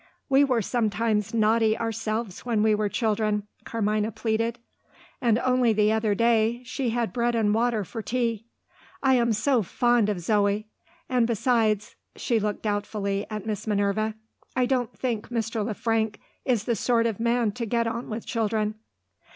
"We were sometimes naughty ourselves when we were children," Carmina pleaded. "And only the other day she had bread and water for tea. I am so fond of Zo! And besides " she looked doubtfully at Miss Minerva "I don't think Mr. Le Frank is the sort of man to get on with children."